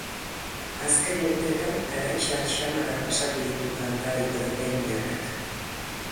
Azken urteetan garai txar xamarrak pasatu ditu kantari britainiarrak.